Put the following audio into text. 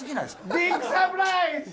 ビッグサプライズ！